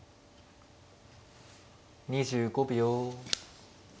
２５秒。